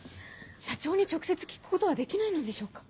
社長に直接聞くことはできないのでしょうか？